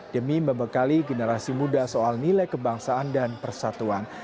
demi membekali generasi muda soal nilai kebangsaan dan persatuan